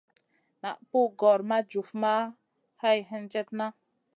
Naʼ pug gor ma jufma hay hendjena.